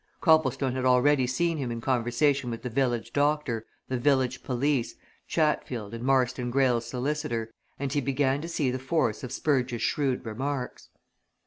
Copplestone had already seen him in conversation with the village doctor, the village police, Chatfield, and Marston Greyle's solicitor, and he began to see the force of Spurge's shrewd remarks.